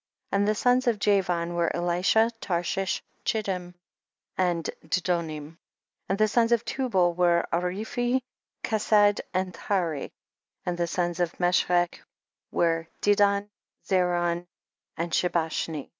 6. And the sons of Javan were Elisha, Tarshish, Chittim and Dudo nim. 7. And the sons of Tubal w^ere Ariphi, Kesed and Taari. 8. And the sons of Meshech were Dedon, Zaron and Shebashni.